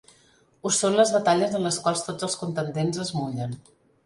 Ho són les batalles en les quals tots els contendents es mullen.